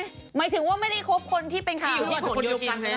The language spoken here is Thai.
หมายถึงว่าไม่ได้คบคนที่เป็นข่าวนี้พอห่วงอยู่ทีนเพลสได้